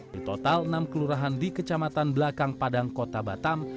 di total enam kelurahan di kecamatan belakang padang kota batam